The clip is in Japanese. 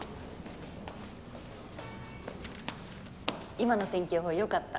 今の天気予報よかった。